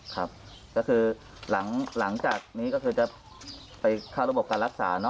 ครับก็คือหลังจากนี้ก็คือจะไปเข้าระบบการรักษา